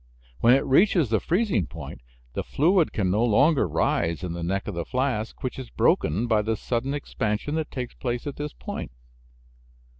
When it reaches the freezing point the fluid can no longer rise in the neck of the flask, which is broken by the sudden expansion that takes place at this point.